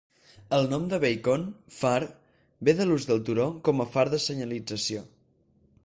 El nom de Beacon, far, ve de l'ús del turó com a far de senyalització.